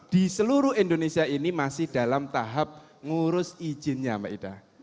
di seluruh indonesia ini masih dalam tahap ngurus izinnya mbak ida